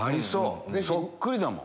そっくりだもん。